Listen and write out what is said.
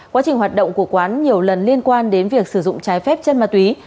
quá trình hoạt động của quán nhiều lần liên quan đến việc sử dụng trái phép chân ma túy